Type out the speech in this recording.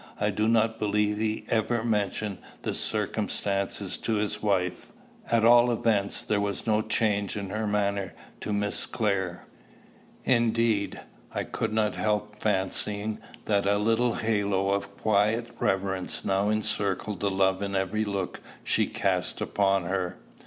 I do not believe he ever mentioned the circumstance to his wife. At all events, there was no change in her manner to Miss Clare. Indeed, I could not help fancying that a little halo of quiet reverence now encircled the love in every look she cast upon her.